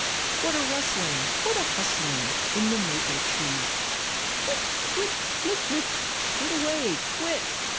What a rustling, what a hustling In the maple tree. "Twit, twit, flit, flit, get away, quit!"